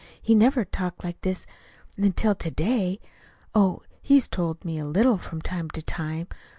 He never talked like this, until to day. Oh, he's told me a little, from time to time.